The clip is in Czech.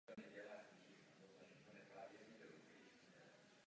To vše má správný směr.